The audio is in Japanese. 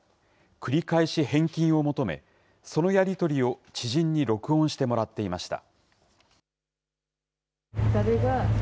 繰り返し返金を求め、そのやり取りを知人に録音してもらっていました。